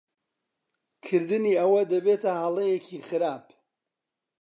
کردنی ئەوە دەبێتە ھەڵەیەکی خراپ.